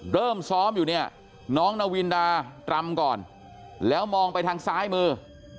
เริ่มซ้อมอยู่เนี่ยน้องนาวินดารำก่อนแล้วมองไปทางซ้ายมือ